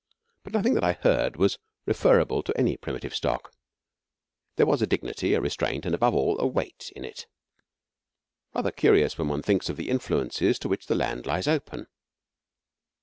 But nothing that I heard was referable to any primitive stock. There was a dignity, a restraint, and, above all, a weight in it, rather curious when one thinks of the influences to which the land lies open.